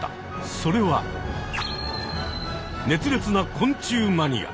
それは熱烈な昆虫マニア。